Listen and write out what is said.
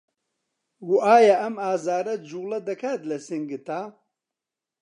و ئایا ئەم ئازاره جووڵه دەکات لە سنگتدا؟